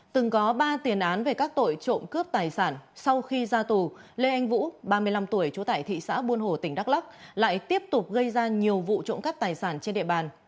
từng có ba tiền án về các tội trộm cướp tài sản sau khi ra tù lê anh vũ ba mươi năm tuổi trú tại thị xã buôn hồ tỉnh đắk lắc lại tiếp tục gây ra nhiều vụ trộm cắp tài sản trên địa bàn